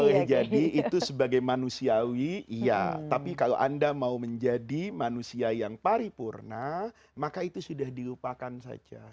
boleh jadi itu sebagai manusiawi iya tapi kalau anda mau menjadi manusia yang paripurna maka itu sudah dilupakan saja